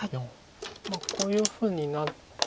こういうふうになって。